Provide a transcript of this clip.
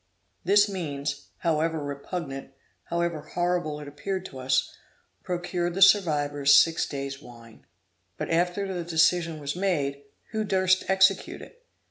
This means, however repugnant, however horrible it appeared to us, procured the survivors six days wine. But after the decision was made, who durst execute it?